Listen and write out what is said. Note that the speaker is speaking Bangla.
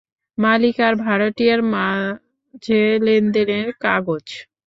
মালিক আর ভাড়াটিয়ার, মাঝে লেনদেনের কাগজ।